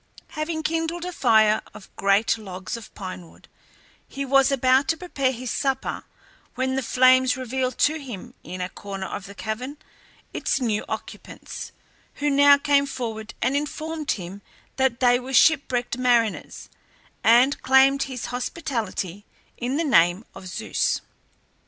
Having kindled a fire of great logs of pine wood he was about to prepare his supper when the flames revealed to him, in a corner of the cavern, its new occupants, who now came forward and informed him that they were shipwrecked mariners, and claimed his hospitality in the name of Zeus.